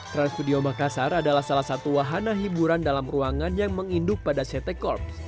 trans studio makassar adalah salah satu wahana hiburan dalam ruangan yang menginduk pada ct corps